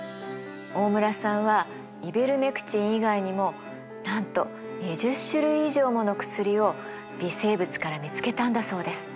大村さんはイベルメクチン以外にもなんと２０種類以上もの薬を微生物から見つけたんだそうです。